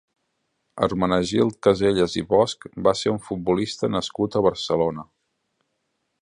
Hermenegild Casellas i Bosch va ser un futbolista nascut a Barcelona.